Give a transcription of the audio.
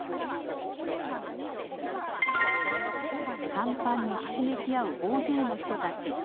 甲板にひしめき合う大勢の人たち。